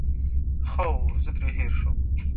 ښه وو، زه ترې هېر شوم.